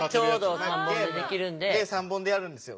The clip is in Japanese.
３本でやるんですよ。